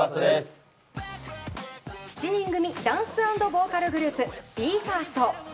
７人組ダンス＆ボーカルグループＢＥ：ＦＩＲＳＴ。